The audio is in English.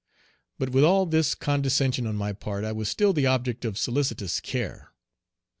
But with all this condescension on my part I was still the object of solicitous care.